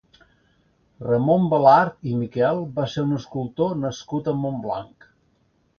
Ramon Belart i Miquel va ser un escultor nascut a Montblanc.